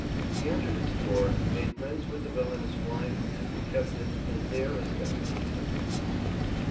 He entered its door, made friends with the villainous blind man who kept it and there established his headquarters.